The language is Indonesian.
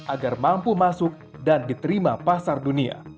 agar mampu masuk dan diterima pasar dunia